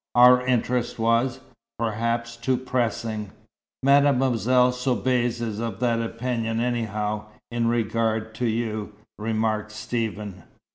Our interest was, perhaps, too pressing." "Mademoiselle Soubise is of that opinion, anyhow in regard to you," remarked Stephen.